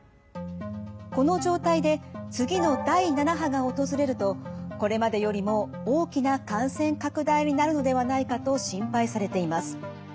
この状態で次の第７波が訪れるとこれまでよりも大きな感染拡大になるのではないかと心配されています。